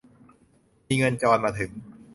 มีเงินจรมาถึง